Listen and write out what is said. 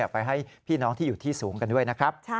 ไปให้พี่น้องที่อยู่ที่สูงกันด้วยนะครับ